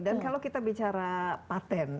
dan kalau kita bicara patent